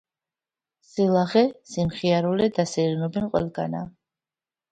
სილაღე, სიმხიარულე დასეირნობენ ყველგანა